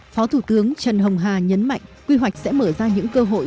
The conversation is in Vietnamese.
phó thủ tướng trần hồng hà nhấn mạnh quy hoạch sẽ mở ra những cơ hội